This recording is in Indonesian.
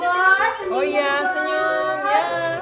oh iya senyum ya